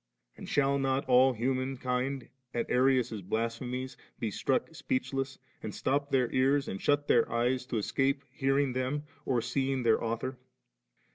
And shall not all human kind at Arius's blasphemies be struck speech less, and stop their ears, and shut their eyes, to escape hearing them or seeing their author?